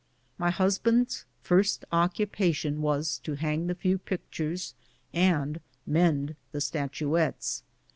My husband's first occupation was to hang the few pictures and mend the statuettes.